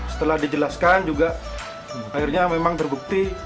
setelah dijelaskan juga akhirnya memang terbukti